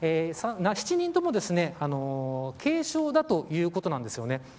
７人とも軽傷だということなんですね。